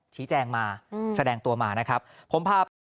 ชี้แจงมาแสดงตัวมานะครับ